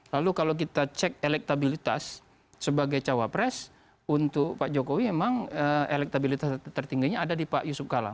lalu kalau kita cek elektabilitas sebagai cawapres untuk pak jokowi memang elektabilitas tertingginya ada di pak yusuf kalla